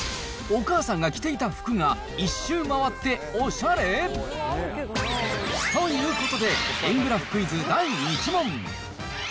お母さんが着ていた服が、一周回っておしゃれ？ということで、円グラフクイズ、第１問。